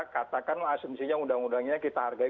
katakanlah asumsinya undang undangnya kita hargai